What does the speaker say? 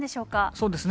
そうですね。